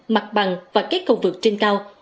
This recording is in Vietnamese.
mặt bằng và các cầu vực trên cao